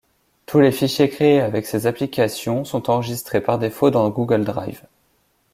Tous les fichiers créés avec ces applications sont enregistrés par défaut dans Google Drive.